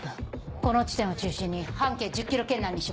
この地点を中心に半径１０ｋｍ圏内に絞って。